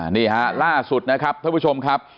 นี่ฮะล่าสุดนะครับท่านผู้ชมครับ